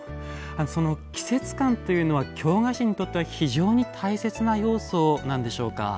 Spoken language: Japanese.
その季節感というのは京菓子にとっては非常に大切な要素なんでしょうか。